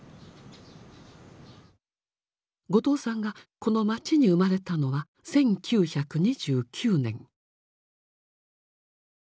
後藤さんがこの町に生まれたのは１９２９年。